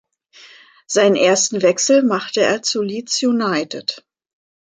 Seinen ersten Wechsel machte er zu Leeds United.